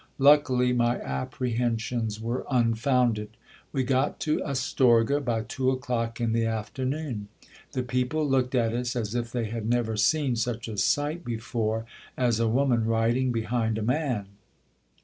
Luckily my apprehensions were unfounded. We got to Astorga by two o'clock in the afternoon. The people looked at us as if they had never seen such a sight before as a woman riding behind a man.